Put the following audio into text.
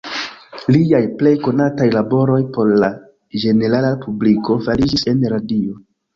Liaj plej konataj laboroj por la ĝenerala publiko fariĝis en radio.